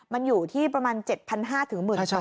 มันอยู่ที่ประมาณ๗๕๐๐๑๒๐๐